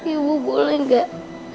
ibu boleh gak